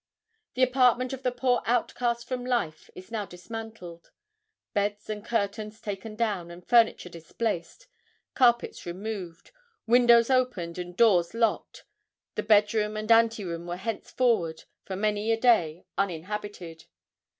The apartment of the poor outcast from life is now dismantled. Beds and curtains taken down, and furniture displaced; carpets removed, windows open and doors locked; the bedroom and anteroom were henceforward, for many a day, uninhabited.